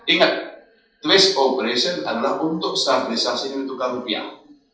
ingat twist operation adalah untuk stabilisasi nilai tukar rupiah